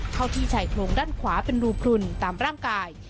เข้าที่ชายโครงด้านขวาเป็นรูพลุนตามร่างกาย